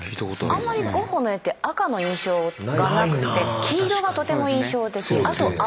あんまりゴッホの絵って赤の印象がなくて黄色がとても印象的あと青ですよね。